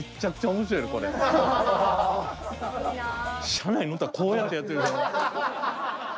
車内乗ったらこうやってやってる。